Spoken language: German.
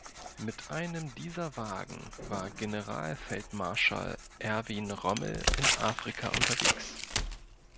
Mit einem dieser Wagen war Generalfeldmarschall Erwin Rommel in Afrika unterwegs.